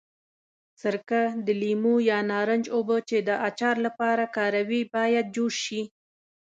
سرکه، د لیمو یا نارنج اوبه چې د اچار لپاره کاروي باید جوش شي.